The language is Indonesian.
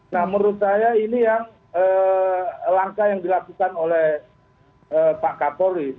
nah menurut saya ini yang langkah yang dilakukan oleh pak kapolri